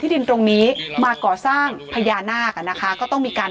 ดินตรงนี้มาก่อสร้างพญานาคอ่ะนะคะก็ต้องมีการ